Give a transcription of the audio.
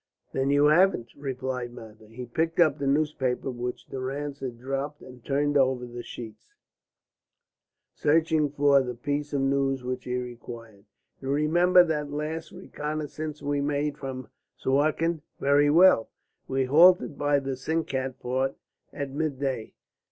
"Then you haven't," replied Mather. He picked up the newspaper which Durrance had dropped and turned over the sheets, searching for the piece of news which he required. "You remember that last reconnaissance we made from Suakin?" "Very well." "We halted by the Sinkat fort at midday.